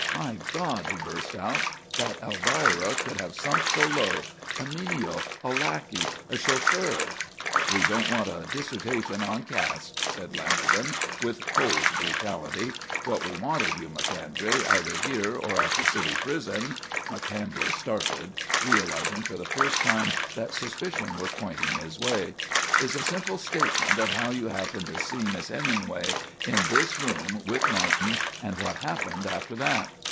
My God!" he burst out, "that Elvira could have sunk so low! A menial, a lackey a chauffeur!" "We don't want a dissertation on caste," said Lanagan with cold brutality. "What we want of you, Macondray, either here or at the city prison " Macondray started, realising for the first time that suspicion was pointing his way "is a simple statement of how you happened to see Miss Hemingway in this room with Martin and what happened after that?"